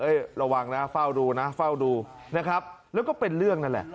ระวังนะเฝ้าดูนะเฝ้าดูนะครับแล้วก็เป็นเรื่องนั่นแหละ